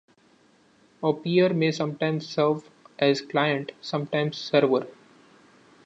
A peer may sometimes serve as client, sometimes server.